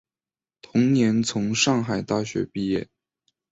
同年从上海大学毕业。